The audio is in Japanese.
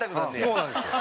そうなんですよ。